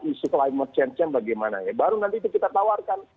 isu climate change nya bagaimana ya baru nanti itu kita tawarkan